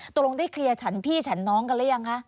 ตรงได้เคลียร์ฉันพี่ฉันน้องกันหรือยังคะ